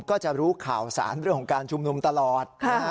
ก็จะรู้ข่าวสารเรื่องของการชุมนุมตลอด